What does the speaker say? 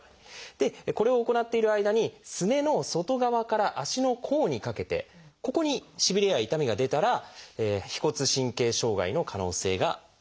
これを行っている間にすねの外側から足の甲にかけてここにしびれや痛みが出たら腓骨神経障害の可能性があるんです。